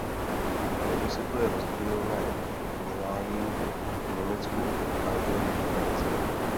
Vysvětluje rozdílné formování v Německu oproti Anglii a Francii.